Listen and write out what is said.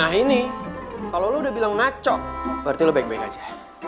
nah ini kalau lo udah bilang nacok berarti lo baik baik aja